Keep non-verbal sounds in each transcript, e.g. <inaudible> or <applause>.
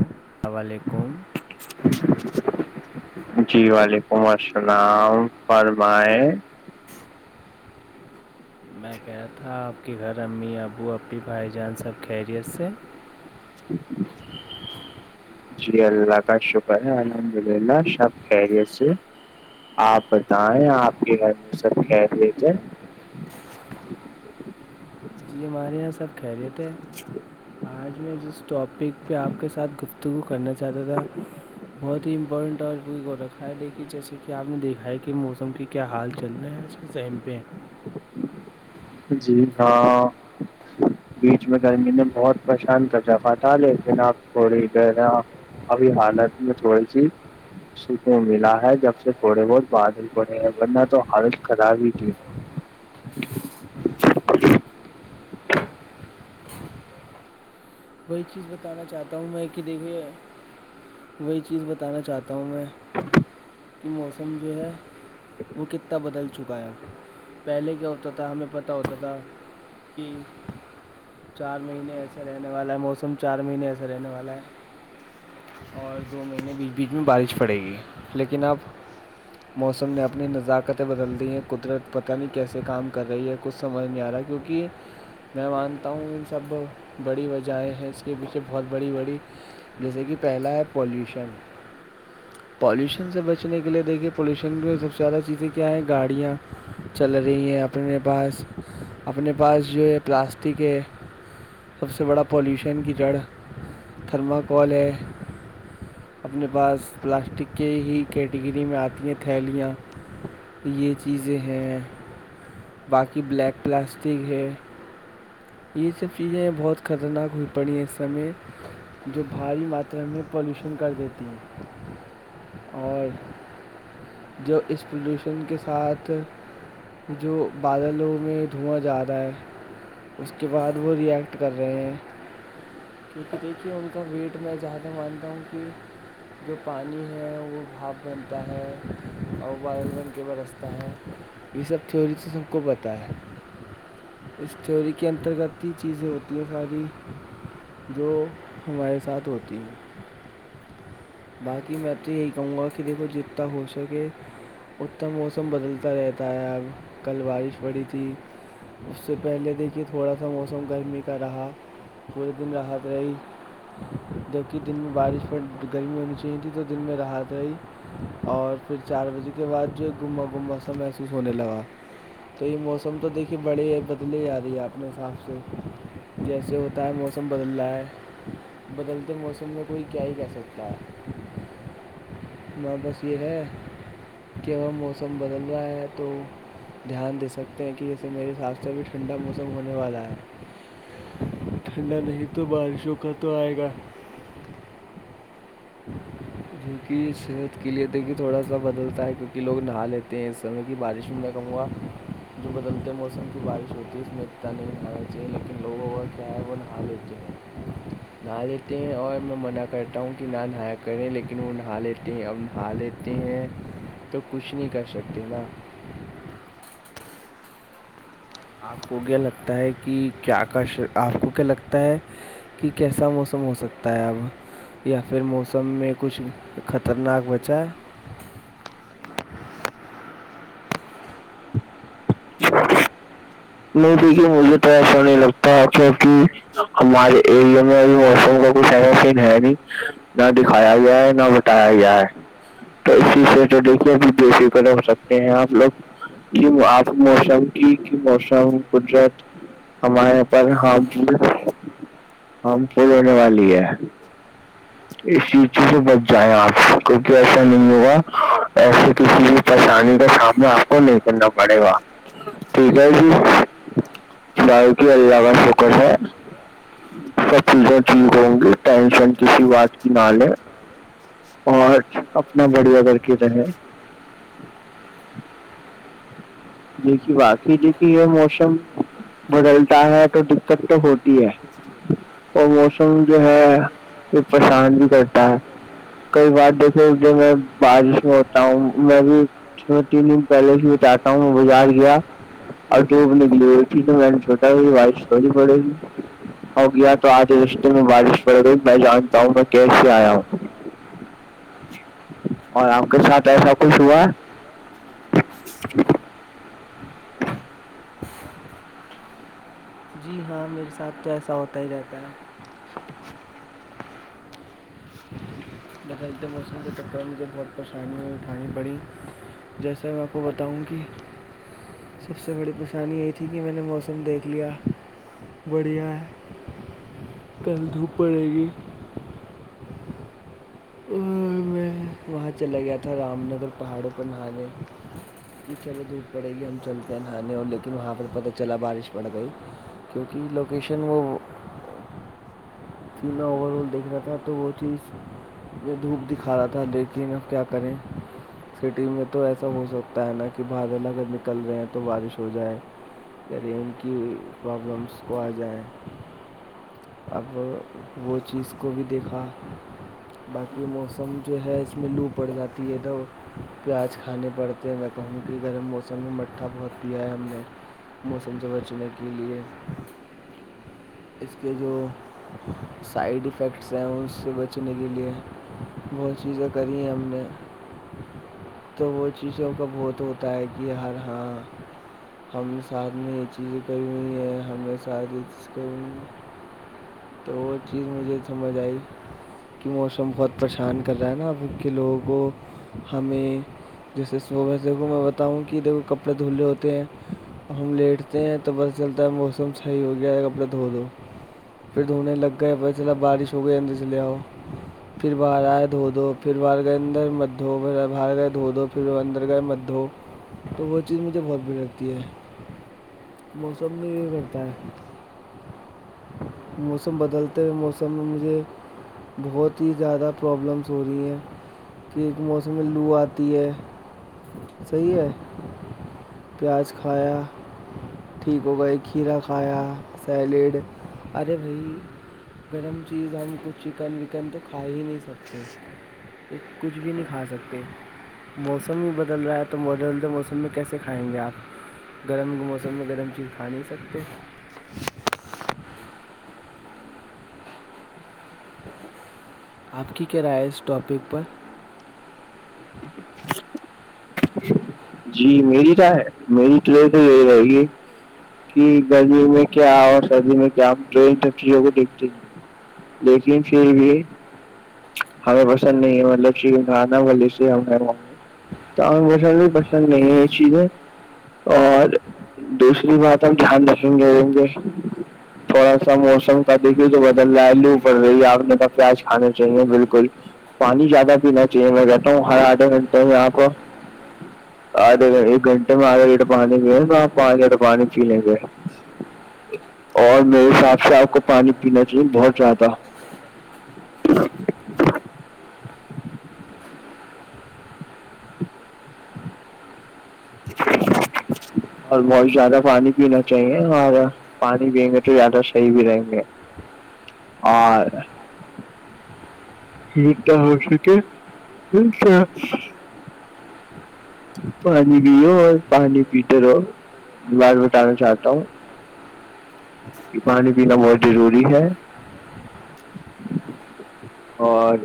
السلام علیکم جی وعلیکم السلام فرمائیں میں کہہا تھا آپ کے گھر امی ابو ابی بھائی جان سب خیریت سے جی اللہ کا شکر ہے الحمد للہ سب خری سے آپ بتائیں آپ کے گھر میں سب کہ دتے ہے جی ہمارے یہاں سب خیریت ہے آج میں جس ٹاپک پہ آپ کے ساتھ گفتگو کرنا چاہتا تھا بہت ہی امپورٹنٹ را ہے لیک جیسے کہ آپ نے دیکھا ہے کہ موسم کے کیا حال چل رہے ہیں <inaudible> جی ہاں بیچ میں گرمی نے بہت پریشان کر جفا تھا لیکن آپ تھڑییرہ ابھی حالت میں تھوڑی سی سکوں ملا ہے جب سے تھوڑے بہت بادل پڑے ہیں ورنہ تو حالش خراب ہی تھی کوئی چیز بتانا چاہتا ہوں میں ک د ہوئی ہے وہی چیز بتانا چاہتا ہوں میں کہ موسم جو ہے وہ کتنا بدل چکا ہے پہلے کیا ہوتا تھا ہمیں پتہ ہوتا تھا کہ چار مہینے ایسے رہنے والا ہے موسم تم چار مہینے ایسے رہنے والا ہے اور دو مہینے بیچ بیچ میں بارش پڑے گی لیکن اب موسم نے اپنی نزاکتیں بدل دی ہیں قدرت پتہ نہیں کیسے کام کر رہی ہے کچھ سمجھ نہیں آ رہا ہے کیونکہ میں مانتا ہوں ان سب بڑی وجہیں ہیں اس کے پیچھے بہت بڑی بڑی جیسے کہ پہلا ہے پالوشن پالیوشن سے بچنے کے لیے دیکھیے پالیوشن میں سب سے زیادہ چیزیں کیا ہیں گاڑیاں چل رہی ہیں اپنے پاس اپنے پاس جو ہے پلاسٹک ہے سب سے بڑا پالیوشن کی جڑ تھرماکول ہے اپنے پاس پلاسٹک کے ہی کیٹیگری میں آتی ہیں تھیلیاں یہ چیزیں ہیں باقی بلیک پلاسٹک ہے یہ سب چیزیں ہیں بہت خطرناک ہوئی پڑی ہیں اس سمے جو بھاری ماترا میں پلیوشن کر دیتی ہیں اور جو اس پولوشن کے ساتھ جو بادلوں میں دھواں جا رہا ہے اس کے بعد وہ ری ایکیکٹ کر رہے ہیں کیونکہ دیکھیے ان کا ویٹ میں زیادہ مانتا ہوں کہ جو پانی ہے وہ بھاپ بنتا ہے اور ون کے برستا ہے یہ سب تھھیوری تو سب کو پتا ہے اس تھیوری کی کے انترگتی ہی چیزیں ہوتی ہیں ساری جو ہمارے ساتھ ہوتی ہے باقی میں تو یہی کہوں گا کہ دیکھو جتتانا ہو سکے اتم موسم بدلتا رہتا ہے اب کل بارش پڑی تھی اس سے پہلے دیکھیے تو تھوڑا سا موسم گرمی کا رہا پورے دن راحت رہی جبک دن میں بارش پ گرمی ہونی چاہیے تھی تو دن میں راحت ہے ہی اور پھر چار بجے کے بعد جو ہے گما گما سب محسوس ہونے لگا تو یہ موسم تو دیکھیے بڑی ہے بدلی جا رہی ہے آپ اپنے حساب سے جیسے ہوتا ہے موسم بدل رہا ہے بدلتے موسم میں کوئی کیا ہی کہ سکتا ہے ہاں بس یہ ہے کہ اگر موسم بدل رہا ہے تو دھیان دے سکتے ہیں کہ جسے میرے ساستےہ بھی ٹھنڈا موسم ہونے والا ہے ٹھنڈا نہیں تو بارشوں کا تو آئے گا کیہ صحت کے لیے تو کہ تھوڑا سا بدلتا ہے کیونکہ لوگ نہا لیتے ہیں سے کی بارش بھی نہیں کم ہوا جو بدلتے موسم بارش ہوتی ہے اس میں ات نہیں نہانا چاہے لیکن لوگوں کا کیا ہے وہ نہا لیتے ہیں گھا لیتے ہیں اور میں منع کرتا ہوں کہ نہایا کریں لیکن وہ نہا لیتے ہیں اب نہا لیتے ہیں تو کچھ نہیں کر سکتے نا آپ کو کیا لگتا ہے کہ کیا کاش آپ کو کیا لگتا ہے کہ کیسا موسم ہو سکتا ہے اب یا پھر موسم میں کچھ خطرناک بچا ہے نہیں دیکھیے مجھے تو ایسا نہیں لگتا کیونکہ ہمارے ایرییا میں اب موسم کا کچھ ایین ہے نہیں نہ دکھایا گیا ہے نہ بٹایا گیا ہے تو اسی سیٹرڈے کو بھی بی ہو سکتے ہیں آ لوگ کہ آپ موسم کی کی موسم قدرت ہمارے پر ہ بھی ہم کون ہونے والی ہے اس چیی سے بچ جائیں آپ کیونکہ ایسا نہیں ہوگا ایسے کسی بھی پریشانی کا سامنا آپ کو نہیں کرنا پڑے گا ٹھیک ہے جی باالقی اللہ ب فوکس ہے سب چیزیں ٹھیک ہوں گی ٹینشن جسی وات کی نہ لے اور اپنا بڑیا کر کے رہے دیکھیے باقی د کہی یہ موسم بدلتا ہے تو دقت تو ہوتی ہے اور موسم جو ہے یہ پریشان بھی کرتا ہے کئی بار دیکھے ج میں بارش میں ہوتا ہوں میں بھی چ تین دن پہلے ہی اتتاا ہوں میں بجار گیا اور جو بھی نکلی وہ تو مم چھوٹا ہو بارش تھی پڑے گی ہو گیا تو آج رشتے میں بارش پڑ گئی میں جانتا ہوں میں کیسے آیا ہوں ہاں اورام کے ساتھ ایسا کچھ ہوا جی ہاں میرے ساتھ تو ایسا ہوتا ہی رہتا ہے خرید موسم کے چکپر میں مجھے بہت پریشانی ہوئی اٹھانی پڑی جیسے میں آپ کو بتاؤں کہ سب سے بڑی پریشانی یہی تھی کہ میں نے موسم دیکھ لیا بڑھیا ہے کل دھوپ پڑے گی میں وہاں چلا گیا تھا رام نگر پہاڑوں پر نہانے کہ چلے دھوھ پڑے گی ہم چلتے ہیں نہانے اور لیکن وہاں پہ پتہ چلا بارش پڑ گئی کیونکہ لوکیشن وہ سیننا اوور آل دیکھ رہا تھا تو وہ چیز یہ دھوپ دکھا رہا تھا لیکن اب کیا کریں سٹی میں تو ایسا ہو سکتا ہے نا کہ بادل اگر نکل رہے ہیں تو بارش ہو جائے کرری ان کی پرابلمس کو آ جائے اب وہ چیز کو بھی دیکھا باقی موسم جو ہے اس میں لو پڑ جاتی ہے ادھر پیاز کھانے پڑتے میں کہوں کہ گرم موسم سن میں مٹھا بہت پیا ہے ہم نے موسم سے بچنے کے لیے اس کے جو سائڈ افیکٹس ہیں ان سے بچ بچنے کے لیے بہت چیزیں کری ہیں ہم نے تو وہ چیزوں کا بہت ہوتا ہے کہ ہر ہاں ہم نے ساتھ میں یہ چیزیں کری ہوئی ہیں ہم نے ساتھ یہ چیز کرئی تو وہ چیز مجھے سمجھ آئی کہ موسم بہت پریشان کر رہا ہے نا اب کے لوگوں کو ہمیں جیسے ص کو میں بتاؤں کہ د کپڑے دھلے ہوتے ہیں ہم لیٹتے ہیں تو پس چلتا ہے موسم صحیح ہو گیا ہے کپڑا دھو دو پھر دنے لگا گ پ چلے بارش ہو گ جد جل پھر باہر آئے دھو دو پھر باہر گئے اندر مت دھو باہر گئے دھو دو پھر وہ اندر گئے مت دھو تو وہ چیز مجھے بہت بڑ لگتی ہے موسم بھی یہ کرتا ہے موسم بدلتے ہوئے موسم میں مجھے بہت ہی زیادہ پرابلمس ہو رہی ہیں کہ ایک موسم لو آتی ہے صحیح ہے پیاز کھایا ٹھیک ہو گئے کھیرا کھایا سیلیڈ ارے بھائی گرم چیز آ کچھ چکن وکن تو کھا ہی نہیں سکتے کچھ بھی نہیں کھا سکتے موسم ہی بدل رہا ہے تو ماڈلد موسم میں کیسے کھائیں گے آپ گرم کے موسم میں گرم چیز کھا نہیں سکتے آپ کی کیا رائے ہے اس ٹاپک پر <unintelligible> جی میری چ ہے میری پلی تو یہی رہے گی کہ گرمی میں کیا اور سردی میں کیا ہم سب چیزوں کو دیکھتے ہیں لیکن پھر بھی ہمیں پسند نہیں ہے مطلب چ آنا وال سے س بھی پسند نہیں ہے یہ چیزیں اور دوسری بات ہم دھیان رکھیں گے ہویں گے تھوڑا سا موسم کا دیکھیے جو بدل رہلو پڑ رہی ہے آپ نے کہ پیاز کھانے چاہیے بالکل پانی زیادہ پینا چاہیے میں رہتا ہوں ہر آدھے گھنٹے میں یہاں کو آدھے ایک گھنٹے میں آدگے یہٹ پانی پ تو آپ پانچ ہٹ پانی پی لیں گے اور میرے حساب سے آپ کو پانی پینا چاہیے بہت زیادہ <inaudible> <inaudible> اور بہت زیادہ پانی پینا چاہیے ہمارا پانی پئیں گے تو زیادہ صحیح بھی رہیں گے اور ما ہو سک پانی پو اور پانی پیتے رہو بار بٹانا چاہتا ہوں کہ پانی پینا بہت ضروری ہے اور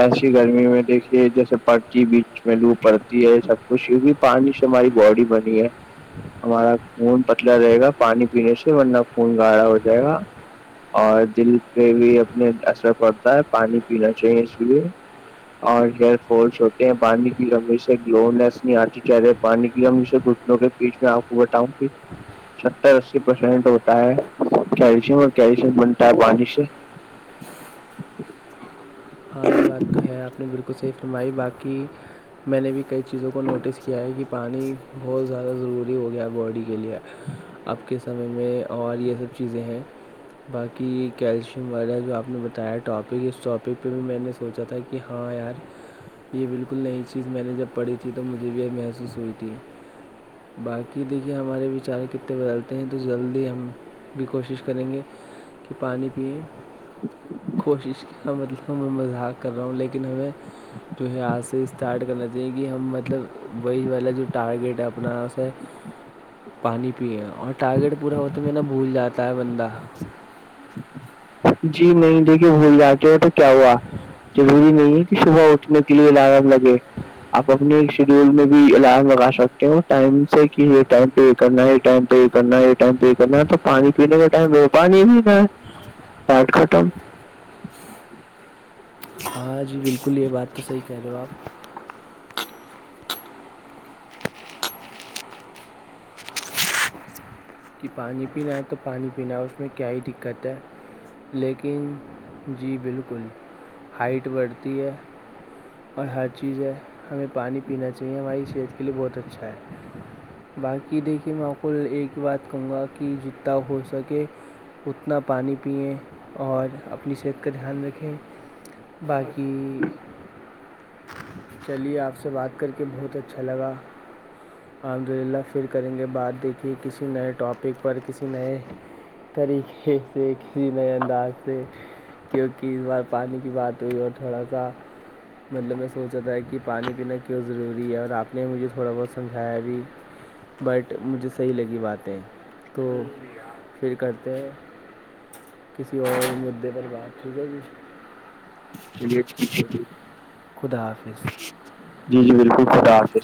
ایسی گرمی میں دیکھیے جیسے پڑتی بیچ میں لو پڑتی ہے سب کچھ بھی پانی سے ہماری باڈی بنی ہے ہمارا خون پتلا رہے گا پانی پینے سے ورنہ خون گاڑا ہو جائے گا اور دل پہ بھی اپنے اثر پڑتا ہے پانی پینا چاہیے اس لیے اور ہیئر فالس ہوتے ہیں پانی کی کمی سے گلونیس نہیں آتی چاہ رہی پانی کی لمی سے بیچ میں آپ کو بتااؤں گی ستر اسی پرسینٹ ہوتا ہے کیلشیم اور کیلشیم بنتا ہے پانی سے ہاں یہ بات تو ہے آپ نے بالکل صحی فرمائی باقی میں نے بھی کئی چیزوں کو نوٹس کیا ہے کہ پانی بہت زیادہ ضروری ہو گیا ہے باڈی کے لیے اب کے سمے میں اور یہ سب چیزیں ہیں باقی کیلشیم وغیرہ جو آپ نے بتایا ٹاپک اس ٹاپک پھر بھی میں نے سوچا تھا کہ ہاں یار یہ بالکل نئی چیز میں نے جب پڑھی تھی تو مجھے بھیحد محسوس ہوئی تھی باقی دیکھیے ہمارے وچار کتنے بدلتے ہیں تو جلدی ہم بھی کوشش کریں گے کہ پانی پیئیں کوشش کیا مطلب تو میں مذاحق کر رہا ہوں لیکن ہمیں جو ہے آج سے اسٹارٹ کرنا چاہیے کہ ہم مطلب وہی والا جو ٹارگیٹ ہے اپنا اسے پانی پیے اور ٹارگیٹ پورا ہوتا میں نا بھول جاتا ہے بندہ جی نہیں دیکھیے بھول ج کے ہے تو کیا ہوا ضروری نہیں ہے کہ صبح اٹھنے کے لیے لائم لگے آپ اپنے شیڈیول میں بھی الارم لگا سکتے ہو ٹائم سے کہ یہ ٹائم یہ کرنا ہے یہ ٹائم پہ یہ کرنا یہ ائم پہ یہ کرنا ہے تو پانی پینے کا م پانی بھی نہ پاٹ کٹم ہاں جی بالکل یہ بات تو صحیح کہہ رہے ہو آپ کہ پانی پینا ہے تو پانی پینا ہے اس میں کیا ہی دقت ہے لیکن جی بالکل ہائٹ بڑھتی ہے اور ہر چیز ہے ہمیں پانی پینا چاہیے ہماری صحت کے لیے بہت اچھا ہے باقی دیکھیے میںقل ایک بات کہوں گا کہ جتنا ہو سکے اتنا پانی پئیں اور اپنی صحت کا دھیان رکھیں باقی چلیے آپ سے بات کر کے بہت اچھا لگا الحمد للہ پھر کریں گے بعد دیکھیے کسی نیٹ ٹاپک پر کسی نئے طریقے سے کسی نئے انداز سے کیونکہ اس بار پانی کی بات ہوئی اور تھوڑا سا مطلب میں سوچا تھا کہ پانی پینا کیوں ضروری ہے اور آپ نے مجھے تھوڑا بہت سمجھایا بھیھی بٹ مجھے صحیح لگی باتیں تو پھر کرتے ہیں کسی اور مدعے پر بات ٹھیک ہے جی لی خدا حافظ جی جی بالکل خد ح ہ